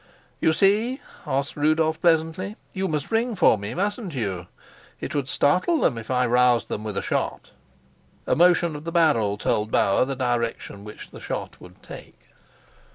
"You see?" asked Rudolf pleasantly. "You must ring for me, mustn't you? It would startle them if I roused them with a shot." A motion of the barrel told Bauer the direction which the shot would take.